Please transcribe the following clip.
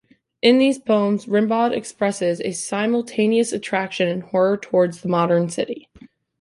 In these poems, Rimbaud expresses a simultaneous attraction and horror towards the modern city.